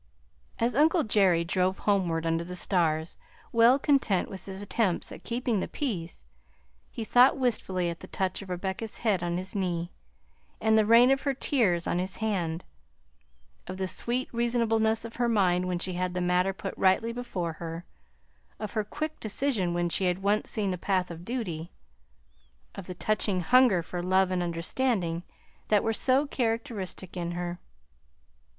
As uncle Jerry drove homeward under the stars, well content with his attempts at keeping the peace, he thought wistfully of the touch of Rebecca's head on his knee, and the rain of her tears on his hand; of the sweet reasonableness of her mind when she had the matter put rightly before her; of her quick decision when she had once seen the path of duty; of the touching hunger for love and understanding that were so characteristic in her.